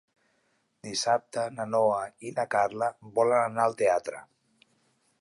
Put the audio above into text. Dissabte na Noa i na Carla volen anar al teatre.